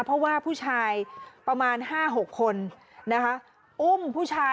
เพราะว่าผู้ชายประมาณ๕๖คนนะคะ